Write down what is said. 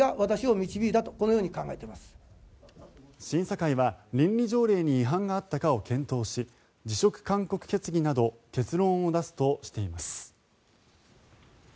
審査会は倫理条例に違反があったかを検討し辞職勧告決議など結論を出すとしています。